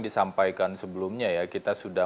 disampaikan sebelumnya ya kita sudah